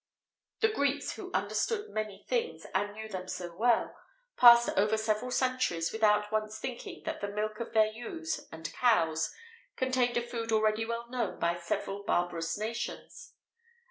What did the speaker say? The Greeks, who understood many things, and knew them so well, passed over several centuries without once thinking that the milk of their ewes and cows contained a food already well known by several barbarous nations.